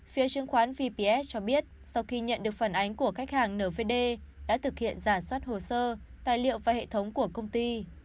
phía chứng khoán vps cho biết sau khi nhận được phản ánh của khách hàng nvd đã thực hiện giả soát hồ sơ tài liệu và hệ thống của công ty